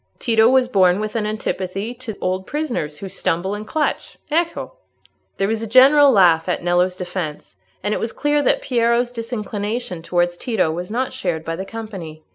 Tito was born with an antipathy to old prisoners who stumble and clutch. Ecco!" There was a general laugh at Nello's defence, and it was clear that Piero's disinclination towards Tito was not shared by the company.